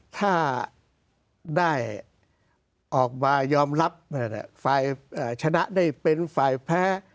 ถ้าได้ออกมายอมรับฝ่ายชนะได้เป็นฝ่ายแพ้